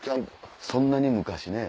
そんなに昔ね。